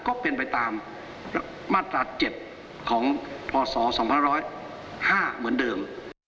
ก็เป็นไปตามมาตรา๗ของพศ๒๐๕เหมือนเดิม